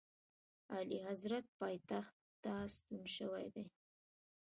اعلیحضرت پایتخت ته ستون شوی دی.